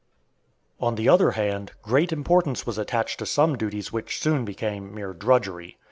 On the other hand, great importance was attached to some duties which soon became mere drudgery.